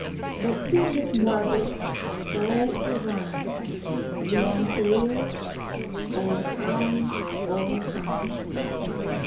But to this morbid, doleful rhyme. The answer is—"Old Time! Old Time!"